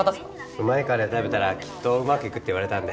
うまいカレー食べたらきっとうまくいくって言われたんで。